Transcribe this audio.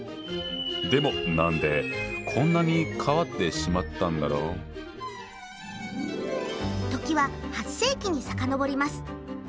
でも何でこんなに変わってしまったんだろう？時は８世紀にさかのぼります。